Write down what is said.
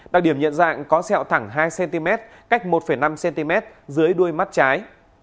đặc điểm nhận dạng có sẹo thẳng hai cm cách một năm cm dưới đuôi mắt trái